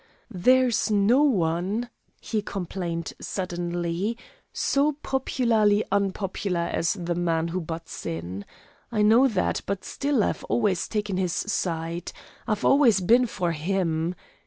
"There's no one," he complained suddenly, "so popularly unpopular as the man who butts in. I know that, but still I've always taken his side. I've always been for him."